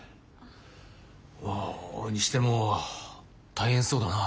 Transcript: ああ。にしても大変そうだな巌。